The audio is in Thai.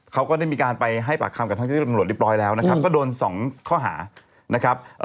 เขาก็ได้มีการไปให้ปากคำกับท่านการบรรดิบลอยแล้วก็โดน๒ข้อหา